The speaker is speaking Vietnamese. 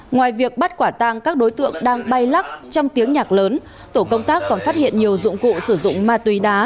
ngoài việc bắt quả tang các đối tượng đang bay lắc trong tiếng nhạc lớn tổ công tác còn phát hiện nhiều dụng cụ sử dụng ma túy đá